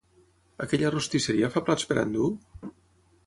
Aquella rostisseria fa plats per endur?